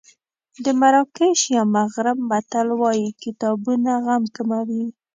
د مراکش یا مغرب متل وایي کتابونه غم کموي.